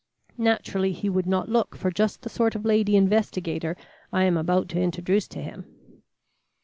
Naturally he would not look for just the sort of lady investigator I am about to introduce to him."